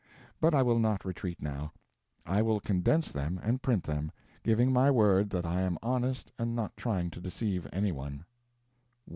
But I will not retreat now; I will condense them and print them, giving my word that I am honest and not trying to deceive any one.